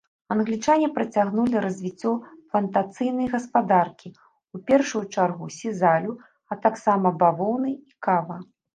Англічане працягнулі развіццё плантацыйнай гаспадаркі, у першую чаргу сізалю, а таксама бавоўны і кава.